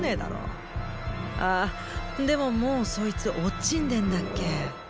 あーでももうそいつおっ死んでんだっけ？